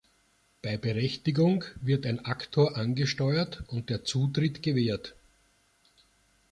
Bei Berechtigung wird ein Aktor angesteuert und der Zutritt gewährt.